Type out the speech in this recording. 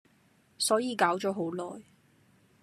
所以搞咗好耐